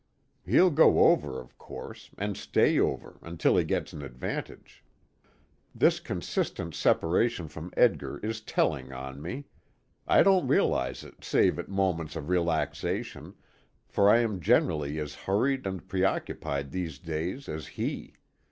He'll go over, of course and stay over, until he gets an advantage. This constant separation from Edgar is telling on me. I don't realize it save at moments of relaxation, for I am generally as hurried and preoccupied these days as he.